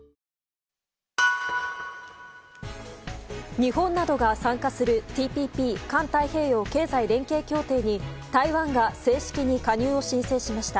日本などが参加するＴＰＰ・環太平洋経済連携協定に台湾が正式に加入を申請しました。